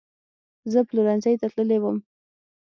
زه پلورنځۍ ته تللې وم